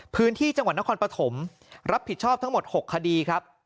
พื้นที่จังหวัดนครปฐมรับผิดชอบทั้งหมด๖คดีครับ